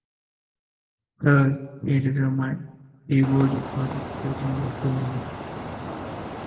Thus, he determined he would participate in the tournament.